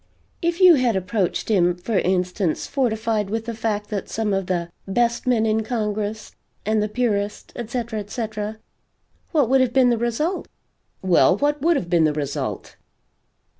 "If you had approached him, for instance, fortified with the fact that some of the best men in Congress, and the purest, etc., etc.; what would have been the result?" "Well, what WOULD have been the result?"